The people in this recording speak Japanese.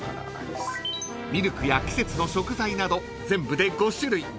［ミルクや季節の食材など全部で５種類］